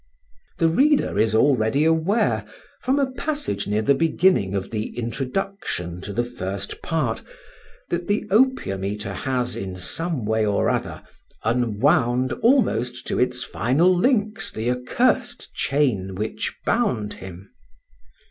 The reader is already aware (from a passage near the beginning of the introduction to the first part) that the Opium eater has, in some way or other, "unwound almost to its final links the accursed chain which bound him."